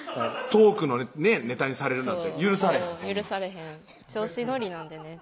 トークのネタにされるなんて許されへん調子乗りなんでね